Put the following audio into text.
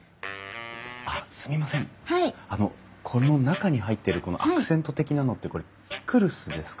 あのこの中に入ってるアクセント的なのってこれピクルスですか？